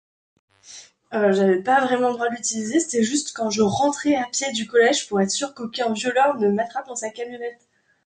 violeur